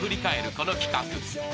この企画］